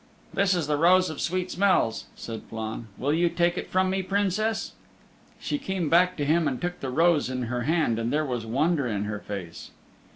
"This is the Rose of Sweet Smells," said Flann. "Will you take it from me, Princess?" She came back to him and took the rose in her hand, and there was wonder in her face.